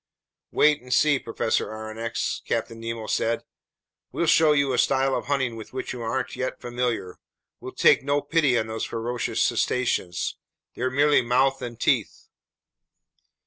"Wait and see, Professor Aronnax," Captain Nemo said. "We'll show you a style of hunting with which you aren't yet familiar. We'll take no pity on these ferocious cetaceans. They're merely mouth and teeth!"